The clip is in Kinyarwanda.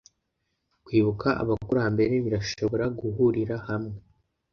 Kwibuka abakurambere birashobora guhurira hamwe